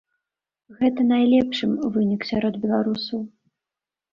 Гэта найлепшым вынік сярод беларусаў.